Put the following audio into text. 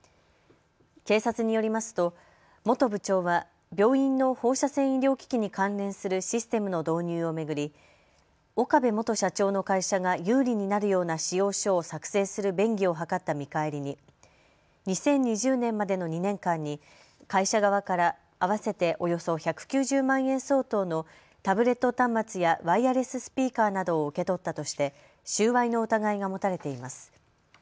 警察によりますと元部長は病院の放射線医療機器に関連するシステムの導入を巡り岡部元社長の会社が有利になるような仕様書を作成する便宜を図った見返りに２０２０年までの２年間に会社側から合わせておよそ１９０万円相当のタブレット端末やワイヤレススピーカーなどを受け取ったとして収賄の疑いが持たれています。